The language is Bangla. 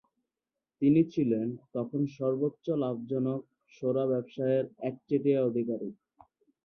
তিনি ছিলেন তখন সর্বোচ্চ লাভজনক শোরা ব্যবসায়ের একচেটিয়া অধিকারী।